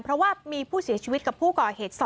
เพราะว่ามีผู้เสียชีวิตกับผู้ก่อเหตุ๒